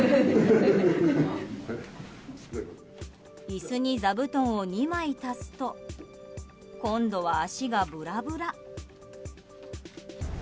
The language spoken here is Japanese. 椅子に座布団を２枚足すと今度は足が、ぶらぶら。